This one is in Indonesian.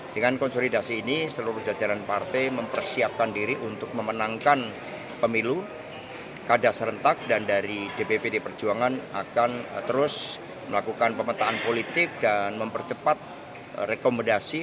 dengan konsolidasi ini seluruh jajaran partai mempersiapkan diri untuk memenangkan pemilu kada serentak dan dari dppd perjuangan akan terus melakukan pemetaan politik dan mempercepat rekomendasi